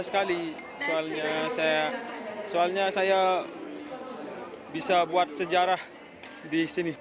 saya sangat bangga karena saya bisa membuat sejarah di sini